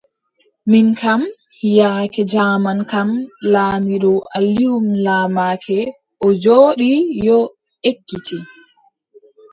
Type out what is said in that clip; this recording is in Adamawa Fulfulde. Min kam, yaake jaaman kam, laamiiɗo Alium laamake, o jooɗi yo, eggiti.